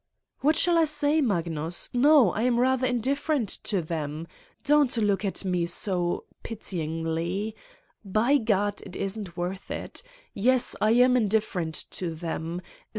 "What shall I say, Magnus? No, I am rather indifferent to them. Don't look at me so ... pity ingly. By God, it isn't worth it! Yes, I am indif ferent to them.